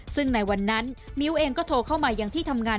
ซึ่งในวันนั้นมิ้วเองก็โทรเข้ามายังที่ทำงาน